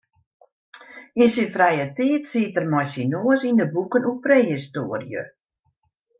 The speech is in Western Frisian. Yn syn frije tiid siet er mei syn noas yn de boeken oer prehistoarje.